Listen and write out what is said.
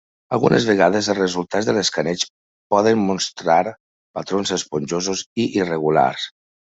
Algunes vegades, els resultats de l'escaneig poden mostrar patrons esponjosos i irregulars.